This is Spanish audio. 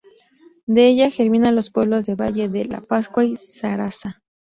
De ella germina los pueblos de Valle la Pascua y Zaraza.